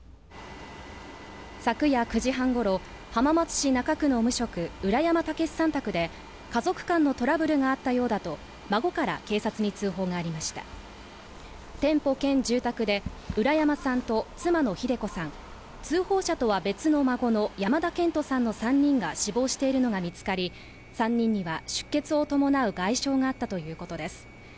昨夜９時半ごろ浜松市中区の無職・浦山毅さん宅で家族間のトラブルがあったようだと孫から警察に通報がありました店舗兼住宅で浦山さんと妻の秀子さん通報者とは別の孫の山田健人さんの３人が死亡しているのが見つかり３人には出血を伴う外傷があったということです